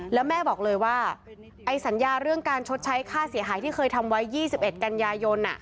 แล้วแม่บอกเลยว่าไอ้สัญญาเรื่องการชดใช้ค่าเสียหายที่เคยทำไว้๒๑กันยายน